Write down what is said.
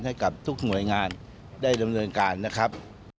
ให้กับทุกหน่วยงานได้ดำเนินการนะครับ